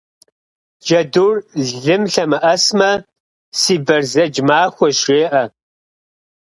Джэдур лым лъэмыӏэсмэ, си бэрзэдж махуэщ, жеӏэ.